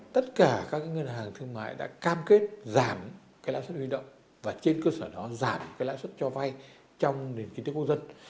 tất cả các ngân hàng thương mại đã cam kết giảm lãi suất huy động và trên cơ sở đó giảm lãi suất cho vay trong nền kinh tế quốc dân